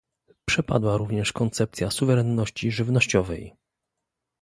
Przepadła również koncepcja suwerenności żywnościowej